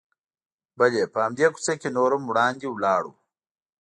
بلې، په همدې کوڅه کې نور هم وړاندې ولاړو.